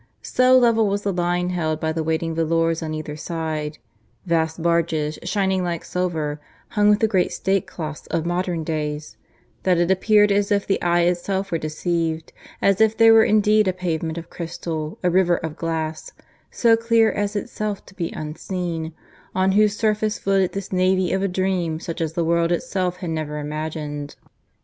So level was the line held by the waiting volors on either side vast barges shining like silver, hung with the great state cloths of modern days that it appeared as if the eye itself were deceived, as if there were indeed a pavement of crystal, a river of glass, so clear as itself to be unseen, on whose surface floated this navy of a dream such as the world itself had never imagined.